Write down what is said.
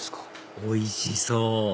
おいしそう！